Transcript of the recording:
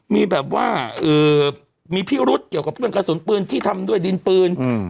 มีแบบว่ามีพิรุษเกี่ยวกับเรื่องกระสุนปืนที่ทำด้วยดินปืน